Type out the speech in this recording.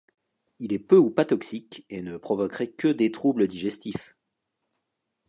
Il est peu ou pas toxique et ne provoquerait que des troubles digestifs.